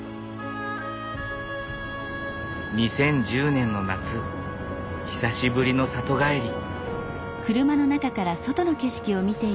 ２０１０年の夏久しぶりの里帰り。